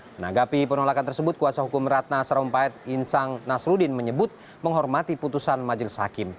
menanggapi penolakan tersebut kuasa hukum ratna sarumpait insang nasruddin menyebut menghormati putusan majelis hakim